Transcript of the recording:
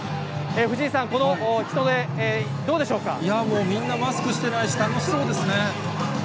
藤井さん、この人出、どうでしょいやー、もう、みんなマスクしてないし、楽しそうですね。